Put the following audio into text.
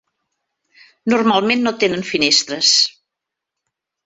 Normalment no tenen finestres.